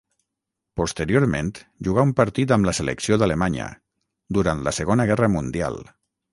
Posteriorment jugà un partit amb la selecció d'Alemanya, durant la Segona Guerra Mundial.